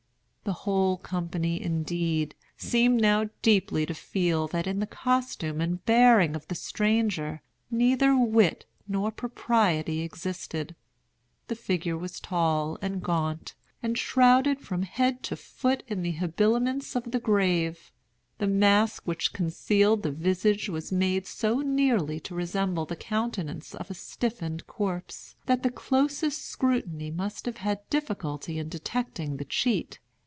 The whole company, indeed, seemed now deeply to feel that in the costume and bearing of the stranger neither wit nor propriety existed. The figure was tall and gaunt, and shrouded from head to foot in the habiliments of the grave. The mask which concealed the visage was made so nearly to resemble the countenance of a stiffened corpse that the closest scrutiny must have had difficulty in detecting the cheat.